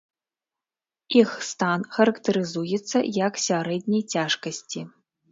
Іх стан характарызуецца як сярэдняй цяжкасці.